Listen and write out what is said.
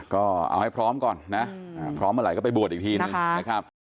ก็เอาให้พร้อมก่อนนะพร้อมเมื่อไหร่ก็ไปบวชอีกทีหนึ่งนะครับ